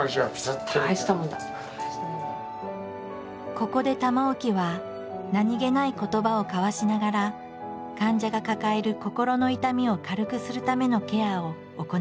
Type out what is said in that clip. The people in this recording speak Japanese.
ここで玉置は何気ない言葉を交わしながら患者が抱える心の痛みを軽くするためのケアを行っている。